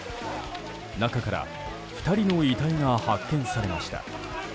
中から２人の遺体が発見されました。